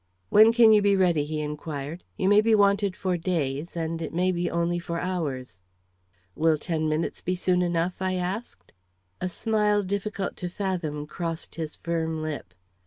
"When can you be ready?" he inquired. "You may be wanted for days, and it may be only for hours." "Will ten minutes be soon enough?" I asked. A smile difficult to fathom crossed his firm lip.